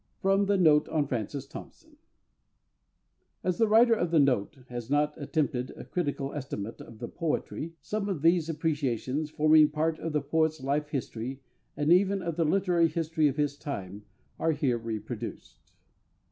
From the_ "NOTE ON FRANCIS THOMPSON" (p. xii). _As the writer of the "Note" has not attempted a critical estimate of the poetry, some of these Appreciations, forming a part of the poet's life history and even of the literary history of his time, are here reproduced.